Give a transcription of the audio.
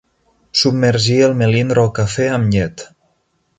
Submergir el melindro al cafè amb llet.